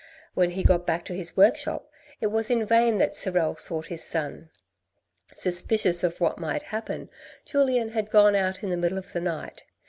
When he got back to his workshop, it was in vain that Sorel sought his son. Suspicious of what might happen, Julien had gone out in the middle of the night.